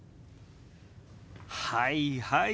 はいはい。